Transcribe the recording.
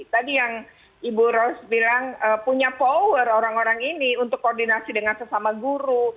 tadi yang ibu ros bilang punya power orang orang ini untuk koordinasi dengan sesama guru